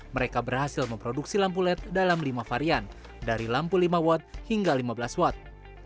mereka berhasil memproduksi lampu led dalam lima varian dari lampu lima watt hingga lima belas watt